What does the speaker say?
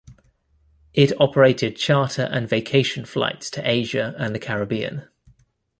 It operated charter and vacation flights to Asia and the Caribbean.